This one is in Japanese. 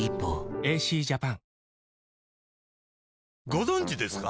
ご存知ですか？